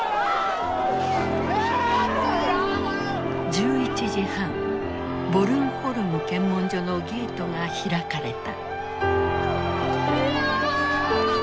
１１時半ボルンホルム検問所のゲートが開かれた。